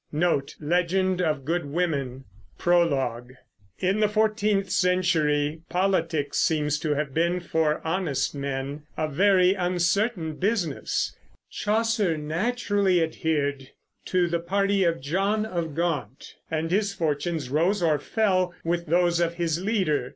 In the fourteenth century politics seems to have been, for honest men, a very uncertain business. Chaucer naturally adhered to the party of John of Gaunt, and his fortunes rose or fell with those of his leader.